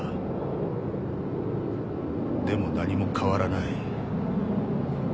でも何も変わらない。